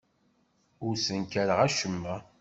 Ur ssenkareɣ acemma.